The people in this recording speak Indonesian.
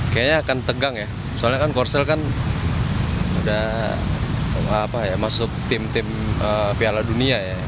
kayaknya akan tegang ya soalnya kan korsel kan udah masuk tim tim piala dunia ya